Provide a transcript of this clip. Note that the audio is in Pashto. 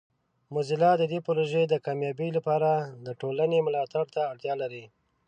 موزیلا د دې پروژې د کامیابۍ لپاره د ټولنې ملاتړ ته اړتیا لري.